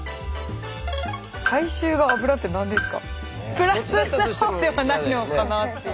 プラスな方ではないのかなっていう。